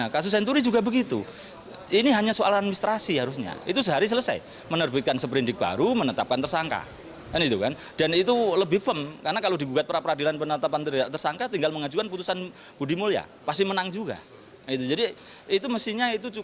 keputusan tersebut menjadi wonang hakim yang menyidangkan perkara dengan berbagai pertimbangan hukum